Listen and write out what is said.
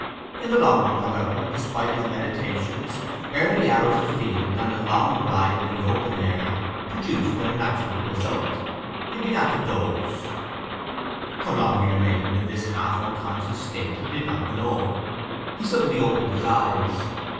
In the long run, however, despite his meditations, early hours afield and a long ride in the open air produced their natural result. He began to doze. How long he remained in this half unconscious state he did not know. He suddenly opened his eyes.